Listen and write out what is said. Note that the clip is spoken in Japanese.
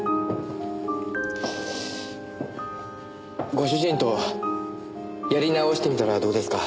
ご主人とやり直してみたらどうですか？